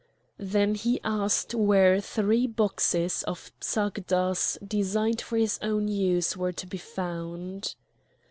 Then he asked where three boxes of psagdas designed for his own use were to be found.